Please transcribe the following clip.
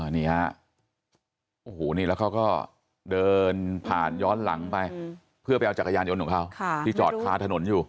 นี่ฮะโอ้โหนี่แล้วเขาก็เดินผ่านย้อนหลังไปเพื่อไปเอาจักรยานยนต์ของเขาที่จอดคาถนนอยู่